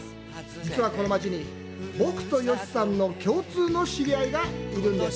実は、この町に僕と吉さんの共通の知り合いがいるんです。